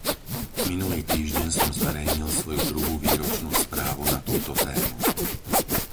Minulý týždeň som zverejnil svoju druhú výročnú správu na túto tému.